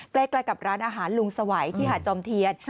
ใกล้กับร้านอาหารลุงสวัยที่หาดจอมเทียน